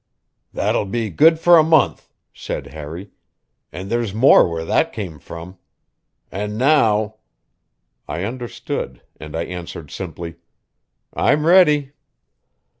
"That'll be good for a month," said Harry. "And there's more where that came from. And now " I understood, and I answered simply: "I'm ready."